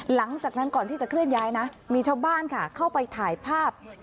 หลังจากนั้นก่อนที่จะเคลื่อนย้ายนะมีชาวบ้านค่ะเข้าไปถ่ายภาพ